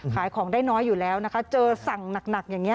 ขายของได้น้อยอยู่แล้วนะคะเจอสั่งหนักอย่างนี้